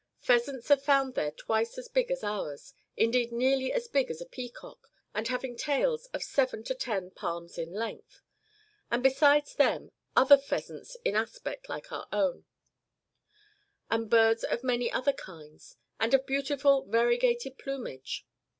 Pheasants are found there twice as big as ours, indeed nearly as big as a peacock, and having tails of 7 to 10 palms in length; and besides them other pheasants in aspect like our own, and birds of many other kinds, and of beautiful variegated plumage.